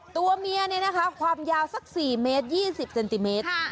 ตัวเมียเนี่ยนะคะความยาวสัก๔เมตร๒๐เซนติเมตร